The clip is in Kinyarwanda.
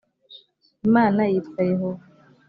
imana yitwa yehova